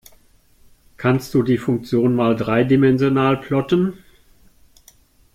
Kannst du die Funktion mal dreidimensional plotten?